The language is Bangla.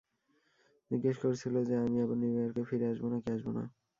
জিজ্ঞেস করছিল যে আমি আবার নিউইয়র্কে ফিরে আসবো নাকি আসবো না।